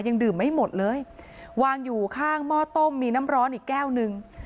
ยังดื่มไม่หมดเลยวางอยู่ข้างหม้อต้มมีน้ำร้อนอีกแก้วหนึ่ง